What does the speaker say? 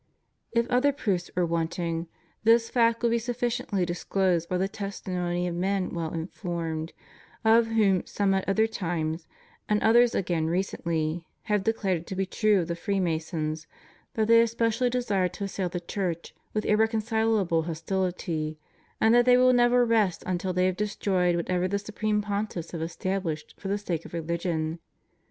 If other proofs were wanting, this fact would be sufficiently disclosed by the testimony of men well informed, of whom some at other times, and others again recently, have declared it to be true of the Freemasons that they especially desire to assail the Church with irreconcilable hostility, and that they vnll never rest until they have destroyed what ever the supreme Pontiffs have established for the sake of religion.